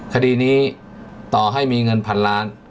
คดีนี้ต่อให้มีเงินพันล้าน